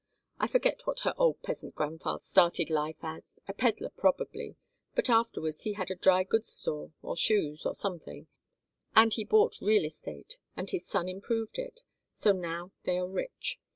I forget what her old peasant grandfather started life as, a peddler, probably, but afterwards he had a dry goods store, or shoes or something, and he bought real estate, and his son improved it, so now they are rich.